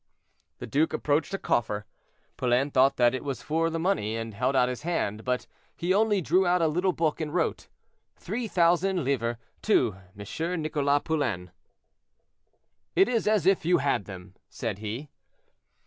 The duke approached a coffer. Poulain thought it was for the money, and held out his hand, but he only drew out a little book and wrote, "Three thousand livres to M. Nicholas Poulain." "It is as if you had them," said he.